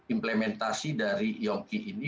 implementasi dari iomp ini